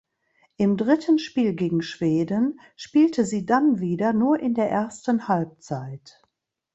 Im dritten Spiel gegen Schweden spielte sie dann wieder nur in der ersten Halbzeit.